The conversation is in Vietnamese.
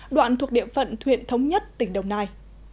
đoạn thuộc địa phận huyện thống nhất tỉnh đồng nai